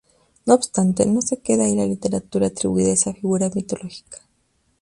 No obstante, no se queda ahí la literatura atribuida a esta figura mitológica.